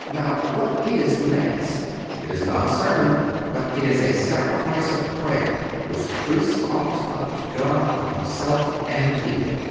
Now, what is the Mass? It is not a sermon, but it is a sacrifice of prayer which the Priest offers up to God for himself and the people.